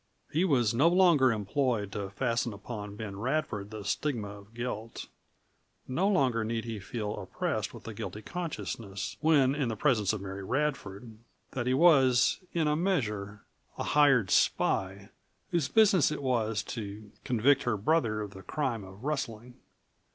He was no longer employed to fasten upon Ben Radford the stigma of guilt; no longer need he feel oppressed with the guilty consciousness, when in the presence of Mary Radford, that he was, in a measure, a hired spy whose business it was to convict her brother of the crime of rustling.